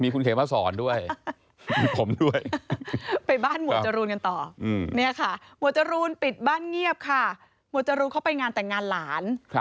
ก็ไม่ได้พูดอะไรกันมาก